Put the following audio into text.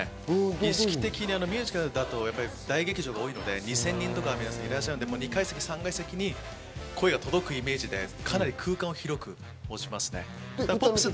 意識的にミュージカルだと、大劇場が多いので２０００人とかいらっしゃるんで、２階席、３階席に声が届くイメージで、かなり空間を広くしますね。